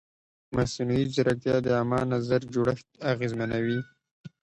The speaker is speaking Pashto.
مصنوعي ځیرکتیا د عامه نظر جوړښت اغېزمنوي.